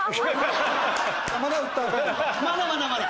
まだまだまだ。